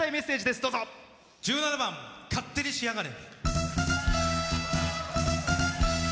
１７番「勝手にしやがれ」。